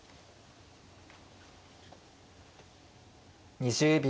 ２０秒。